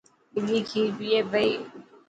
ٻلي کير پيي پئي.